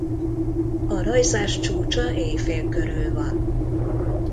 A rajzás csúcsa éjfél körül van.